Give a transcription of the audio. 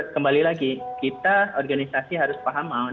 kembali lagi kita organisasi harus paham mau